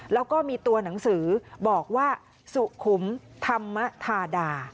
แล้วก็มีตัวหนังสือบอกว่าสุขุมธรรมธาดา